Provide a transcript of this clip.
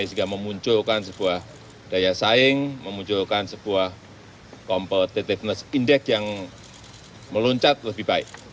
sehingga memunculkan sebuah daya saing memunculkan sebuah competitiveness index yang meluncat lebih baik